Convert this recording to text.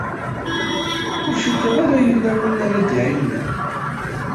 Ur cukkeɣ ara yella win ara d-iɛiwnen.